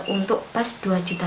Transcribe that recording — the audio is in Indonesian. untuk pas dua juta